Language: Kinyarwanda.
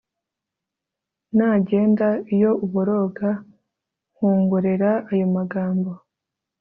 nagenda, iyo uboroga, nkongorera ayo magambo